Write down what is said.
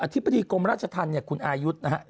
อธิบายราชทันคุณอายุทธิ์นะครับ